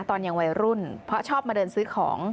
ตอนยังวัยรุ่นเพราะชอบมาเดินซื้อของ